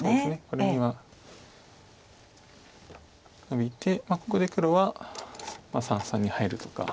これにはノビてまあここで黒は三々に入るとか。